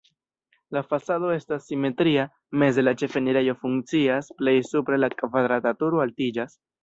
La fasado estas simetria, meze la ĉefenirejo funkcias, plej supre la kvadrata turo altiĝas.